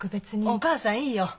お母さんいいよ。